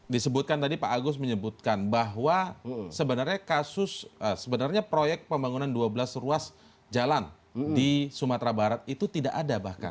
disebutkan tadi pak agus menyebutkan bahwa sebenarnya kasus sebenarnya proyek pembangunan dua belas ruas jalan di sumatera barat itu tidak ada bahkan